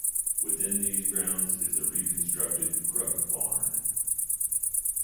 Within these grounds is a reconstructed cruck barn.